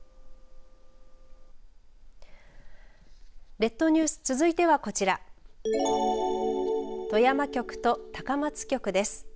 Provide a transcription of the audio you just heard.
列島ニュース続いてはこちら富山局と高松局です。